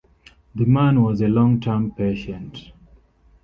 The man was a Long term patient.